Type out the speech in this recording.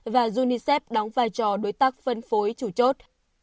và unicef đóng vai trò đối tác phân phối chủ chốt